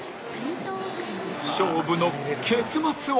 勝負の結末は